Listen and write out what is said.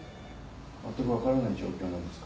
全くわからない状況なんですか？